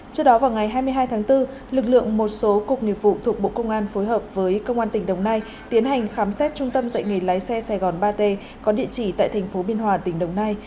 trước đó vào ngày hai mươi hai tháng bốn lực lượng một số cục nghiệp vụ thuộc bộ công an phối hợp với công an tỉnh đồng nai tiến hành khám xét trung tâm dạy nghề lái xe sài gòn ba t có địa chỉ tại thành phố biên hòa tỉnh đồng nai